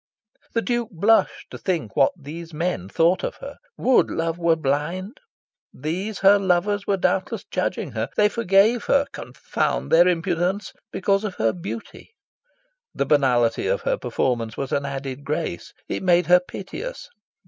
The Duke blushed to think what these men thought of her. Would love were blind! These her lovers were doubtless judging her. They forgave her confound their impudence! because of her beauty. The banality of her performance was an added grace. It made her piteous.